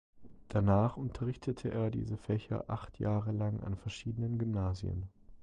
Danach unterrichtete er diese Fächer acht Jahre lang an verschiedenen Gymnasien.